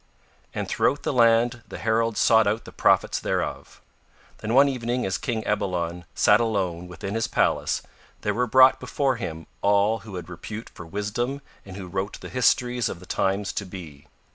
And throughout the land the heralds sought out the prophets thereof. Then one evening as King Ebalon sat alone within his palace there were brought before him all who had repute for wisdom and who wrote the histories of the times to be.